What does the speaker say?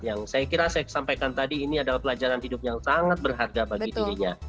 yang saya kira saya sampaikan tadi ini adalah pelajaran hidup yang sangat berharga bagi dirinya